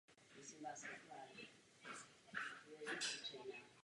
V tomto regionu musí převládnout dlouhodobý mír a bezpečnost.